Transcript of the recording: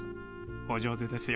お上手ですよ。